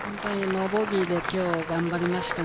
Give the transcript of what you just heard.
ノーボギーで今日、頑張りました。